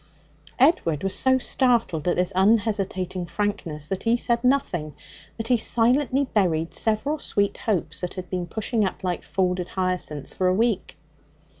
Edward was so startled at this unhesitating frankness that he said nothing. But he silently buried several sweet hopes that had been pushing up like folded hyacinths for a week.